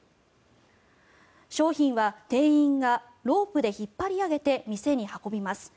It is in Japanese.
商品は店員がロープで引っ張り上げて、店に運びます。